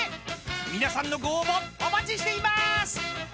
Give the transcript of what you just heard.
［皆さんのご応募お待ちしていまーす！］